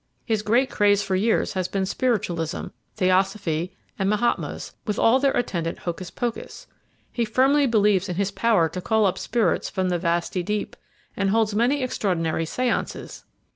His great craze for years has been spiritualism, theosophy, and mahatmas, with all their attendant hocus pocus. He firmly believes in his power to call up spirits from the vasty deep, and holds many extraordinary séances."